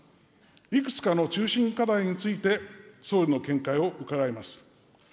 いくつかの中心課題について、総理の見解を伺います。